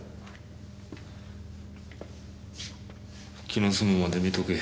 気の済むまで見とけ。